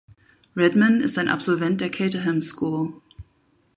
Redman ist ein Absolvent der Caterham School.